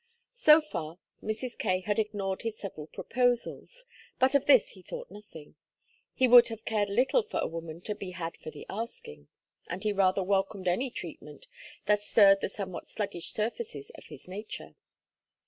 So far Mrs. Kaye had ignored his several proposals, but of this he thought nothing. He would have cared little for a woman to be had for the asking; and he rather welcomed any treatment that stirred the somewhat sluggish surfaces of his nature.